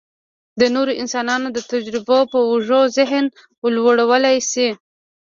د نورو انسانانو د تجربو په اوږو ذهن لوړولی شي.